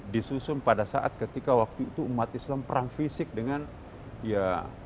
disusun pada saat ketika waktu itu umat islam perang fisik dengan ya